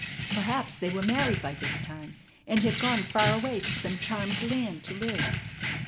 Perhaps they were married by this time, and had gone far away to some charmed land to live.